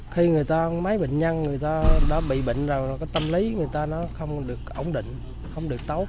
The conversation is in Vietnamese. khi người ta mấy bệnh nhân người ta đã bị bệnh rồi cái tâm lý người ta nó không được ổn định không được tốt